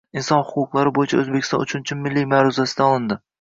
Inson huquqlari bo'yicha O'zbekiston uchinchi milliy ma'ruzasidan olindi.